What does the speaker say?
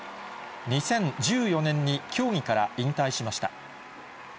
２０１４年に競技から引退しました。